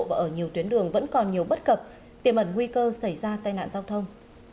và ở nhiều tuyến đường vẫn còn nhiều bất cập tiềm ẩn nguy cơ xảy ra tai nạn giao thông